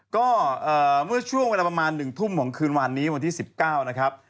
ก็เมื่อช่วงเวลาประมาณ๑ทุ่มของคืนวันนี้วันที่๑๙นะครับ